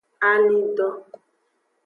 Alindo.